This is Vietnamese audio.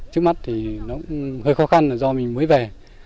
trước mắt thì nó hơi khó khăn là do mình mới về